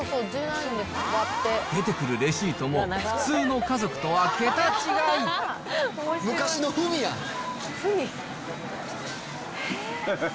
出てくるレシートも普通の家族とは桁違い。